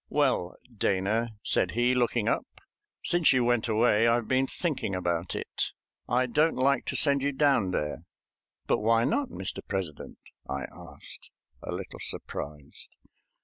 "Well, Dana," said he, looking up, "since you went away I've been thinking about it. I don't like to send you down there." "But why not, Mr. President?" I asked, a little surprised.